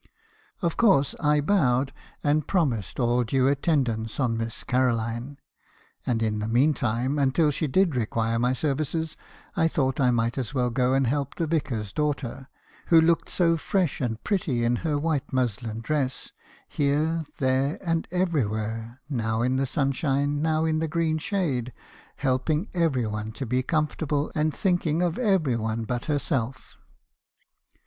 " Of course, 1 bowed, and promised all due attendance on Miss Caroline ; and in the mean time , until she did require my services, I thought I might as well go and help the vicar's daughter, who looked so fresh and pretty in her white muslin dress, here, there, and everywhere , now in the sunshine , now in the green shade, helping every one to be comfortable, and thinking of every one but herself.